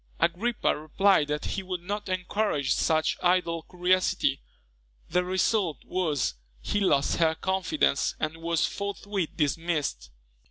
Agrippa replied that he would not encourage such idle curiosity. The result was, he lost her confidence, and was forthwith dismissed.